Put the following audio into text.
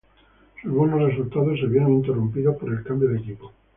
Sus buenos resultados se vieron interrumpidos por el cambio de equipo.